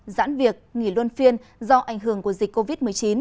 giãn việc nghỉ luân phiên do ảnh hưởng của dịch covid một mươi chín